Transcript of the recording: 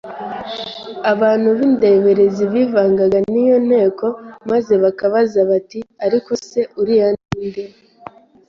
Abantu b'indeberezi bivangaga n'iyo nteko maze bakabaza bati : "Ariko se uriya ninde?